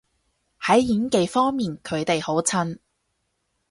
喺演技方面佢哋好襯